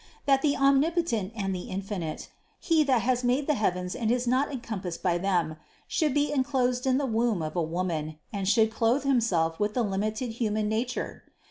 That the Omnipotent and the Infinite, He that has made the heavens and is not encompassed by them, should be enclosed in the womb of a woman, and should clothe Himself with the limited human nature?